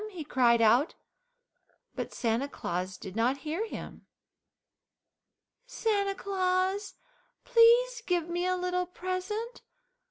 he cried out, but Santa Claus did not hear him. "Santa Claus, please give me a little present.